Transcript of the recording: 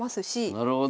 なるほど。